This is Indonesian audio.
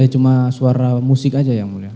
cuma suara musik aja yang mulia